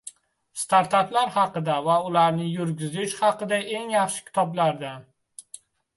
Startaplar haqida va ularni yurgizish haqida eng yaxshi kitoblardan.